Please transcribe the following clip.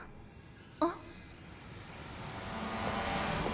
あっ。